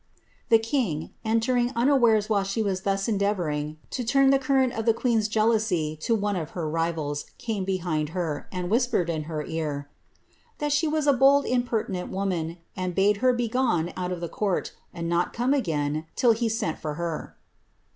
'' The king, entering unawares while she was thus endeavouring to turn the current of the queen s jealousy to one of her rivals, came behind her, and whispered in her ear, ^^ that she was a bold impertinent woman, and bade her begone out of the court, and not come again till he sent for her.